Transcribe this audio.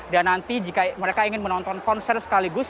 dan nanti jika mereka ingin menonton konser sekaligus